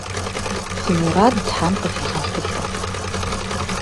Фи мурад тхьэм къывигъэхъулӏэ!